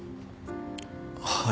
はい。